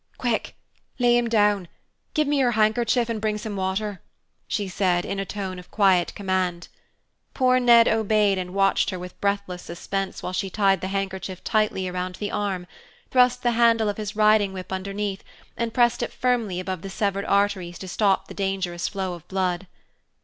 "Quick! Lay him down. Give me your handkerchief, and bring some water," she said, in a tone of quiet command. Poor Ned obeyed and watched her with breathless suspense while she tied the handkerchief tightly around the arm, thrust the handle of his riding whip underneath, and pressed it firmly above the severed artery to stop the dangerous flow of blood.